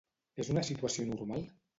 És una situació normal?